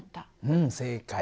うん正解。